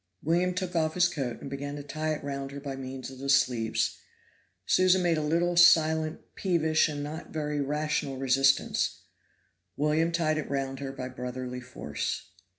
William took off his coat, and began to tie it round her by means of the sleeves; Susan made a little, silent, peevish and not very rational resistance; William tied it round her by brotherly force.